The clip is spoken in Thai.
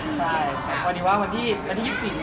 สวัสดีครับวันนี้มาใช้สิทธิ์ล่วงหน้า